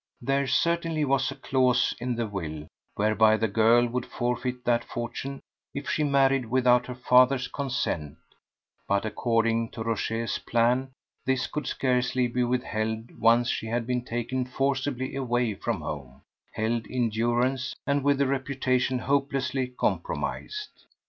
There certainly was a clause in the will whereby the girl would forfeit that fortune if she married without her father's consent; but according to Rochez's plans this could scarcely be withheld once she had been taken forcibly away from home, held in durance, and with her reputation hopelessly compromised.